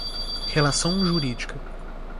relação jurídica;